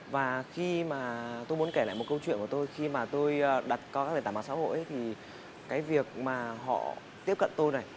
và khi mà tôi muốn kể lại một câu chuyện của tôi khi mà tôi đặt qua các nền tảng mạng xã hội thì cái việc mà họ tiếp cận tôi này